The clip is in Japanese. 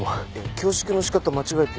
恐縮の仕方間違えてるよ。